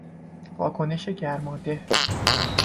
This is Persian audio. واکنش گرماده